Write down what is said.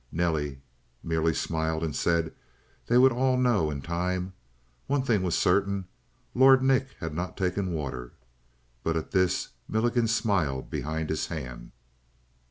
Nelly merely smiled and said they would all know in time: one thing was certain Lord Nick had not taken water. But at this Milligan smiled behind his hand.